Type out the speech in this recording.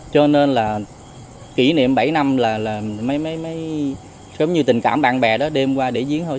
cho nên kỷ niệm bảy năm là tình cảm bạn bè đêm qua để diễn thôi